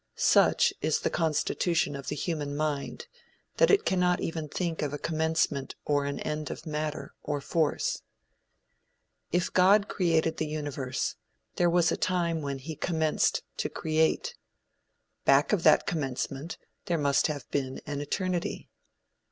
Such is the constitution of the human mind that it cannot even think of a commencement or an end of matter, or force. If God created the universe, there was a time when he commenced to create. Back of that commencement there must have been an eternity.